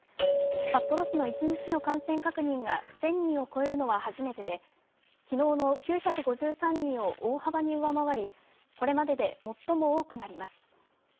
札幌市の１日の感染確認が１０００人を超えるのは初めてできのうの９５３人を大幅に上回りこれまでで最も多くなります。